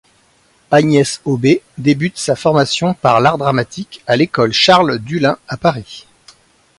Agnès Aubé débute sa formation par l’art dramatique à l’Ecole Charles Dullin à Paris.